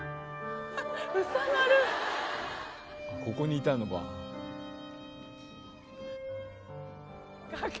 ここにいたのか。